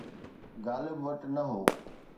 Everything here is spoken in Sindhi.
غالب وٽ نه هو.